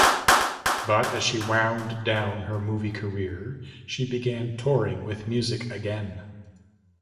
But as she wound down her movie career, she began touring with music again.